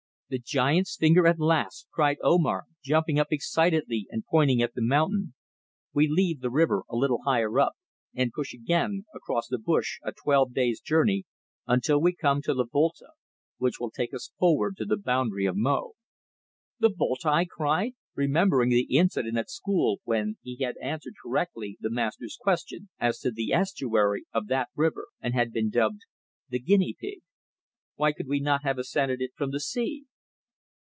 "The Giant's Finger at last!" cried Omar, jumping up excitedly and pointing at the mountain. "We leave the river a little higher up, and push again across the bush a twelve days' journey until we come to the Volta, which will take us forward to the boundary of Mo." "The Volta!" I cried, remembering the incident at school when he had answered correctly the master's question as to the estuary of that river, and had been dubbed "the Guinea Pig." "Why could we not have ascended it from the sea?"